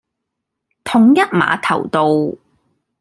統一碼頭道